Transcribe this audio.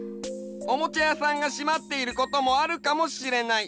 おもちゃやさんがしまっていることもあるかもしれない。